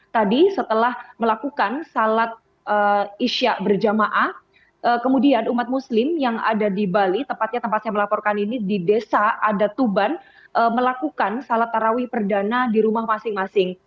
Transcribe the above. tadi setelah melakukan salat isya berjamaah kemudian umat muslim yang ada di bali tepatnya tempat saya melaporkan ini di desa adatuban melakukan salat tarawih perdana di rumah masing masing